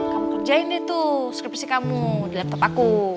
kamu kerjain deh tuh skripsi kamu di laptop aku